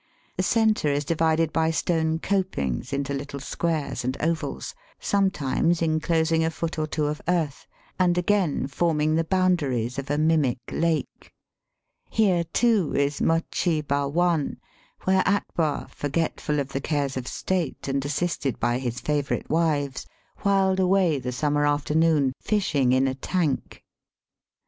The centre is divided by stone copings into little squares and ovals, some times inclosing a foot or two of earth, and again forming the boundaries of a mimic lake. Here, too, is Muchee Bhawan, where Akbar, forgetful of the cares of state and assisted by his favourite wives, whiled away the summer afternoon fishing in a tank.